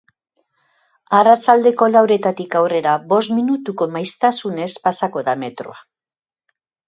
Arratsaldeko lauretatik aurrera bost minutuko maiztasunez pasako da metroa.